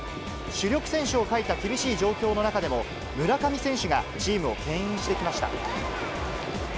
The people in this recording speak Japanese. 主力選手を欠いた厳しい状況の中でも、村上選手がチームをけん引してきました。